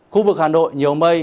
khu vực hà nội nhiều mây